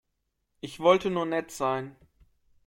Ich wollte nur nett sein.